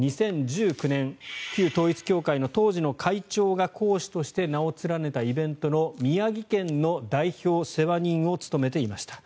２０１９年旧統一教会の当時の会長が講師として名を連ねたイベントの宮城県の代表世話人を務めていました。